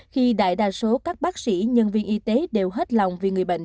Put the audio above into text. khi đại đa số các bác sĩ nhân viên y tế đều hết lòng vì người bệnh